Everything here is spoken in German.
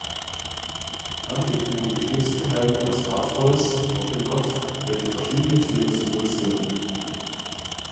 Manche trugen geschnitzte Helme aus Hartholz auf dem Kopf, welche verschiedene Tiere symbolisierten.